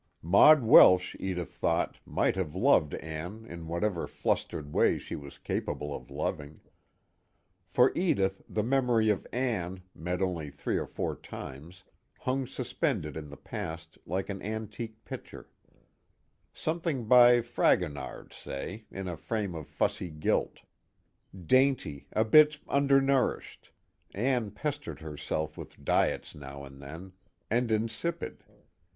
Maud Welsh, Edith thought, might have loved Ann in whatever flustered way she was capable of loving. For Edith the memory of Ann, met only three or four times, hung suspended in the past like an antique picture: something by Fragonard, say, in a frame of fussy gilt. Dainty, a bit undernourished Ann pestered herself with diets now and then and insipid.